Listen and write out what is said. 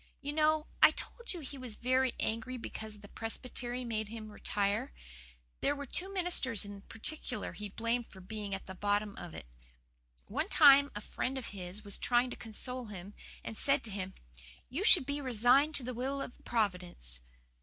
"You know, I told you he was very angry because the Presbytery made him retire. There were two ministers in particular he blamed for being at the bottom of it. One time a friend of his was trying to console him, and said to him, "'You should be resigned to the will of Providence.